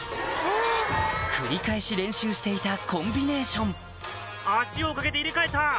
繰り返し練習していたコンビネーション脚を掛けて入れ替えた！